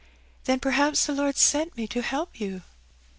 Then perhaps the Lord sent me to help you.